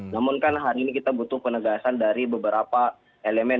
namun kan hari ini kita butuh penegasan dari beberapa elemen